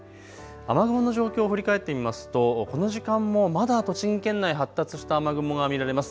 雨雲の状況を振り返ってみますとこの時間もまだ栃木県内、発達した雨雲が見られます。